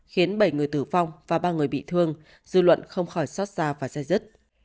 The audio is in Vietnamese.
khiến bảy người tử vong và ba người bị thương dư luận không khỏi xót xa và dây dứt